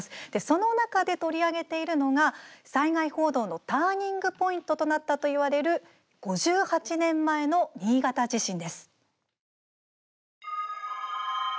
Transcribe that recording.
その中で取り上げているのが災害報道のターニングポイントとなったといわれる５８年前の新潟地震です。